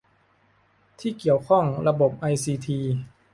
ที่เกี่ยวข้องระบบไอซีที